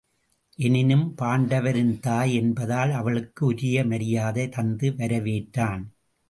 எனினும் பாண்டவரின் தாய் என்பதால் அவளுக்கு உரிய மரியாதை தந்து வரவேற்றான்.